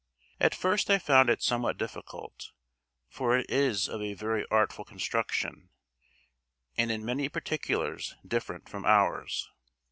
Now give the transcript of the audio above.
At first I found it somewhat difficult; for it is of a very artful construction, and in many particulars different from ours.